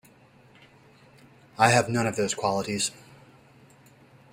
I have none of those qualities.